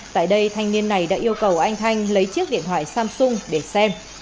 tại đây thanh niên này đã yêu cầu anh thanh lấy chiếc điện thoại samsung để xem